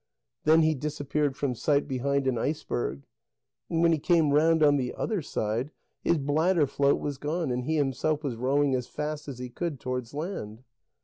Then he disappeared from sight behind an iceberg, and when he came round on the other side, his bladder float was gone, and he himself was rowing as fast as he could towards land.